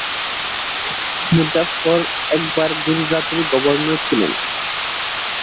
মুজাফফর একবার গুজরাটের গভর্নর ছিলেন।